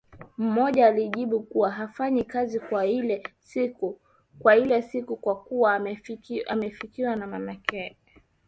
Mmoja alijibu kuwa hafanyi kazi kwa ile siku kwa kuwa amefiwa na mama yake